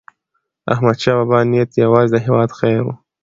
داحمدشاه بابا نیت یوازې د هیواد خیر و.